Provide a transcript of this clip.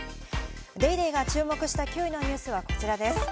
『ＤａｙＤａｙ．』が注目した９位のニュースは、こちらです。